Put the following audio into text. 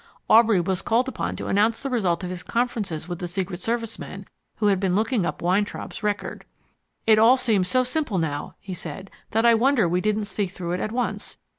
Aubrey was called upon to announce the result of his conferences with the secret service men who had been looking up Weintraub's record. "It all seems so simple now," he said, "that I wonder we didn't see through it at once.